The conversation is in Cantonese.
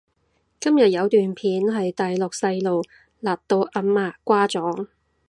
今日有段片係大陸細路勒到阿嫲瓜咗？